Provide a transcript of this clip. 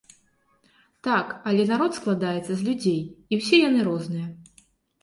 Так, але народ складаецца з людзей, і ўсе яны розныя.